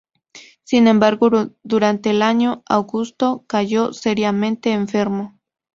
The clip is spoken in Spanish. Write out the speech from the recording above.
Sin embargo, durante el año, Augusto cayó seriamente enfermo.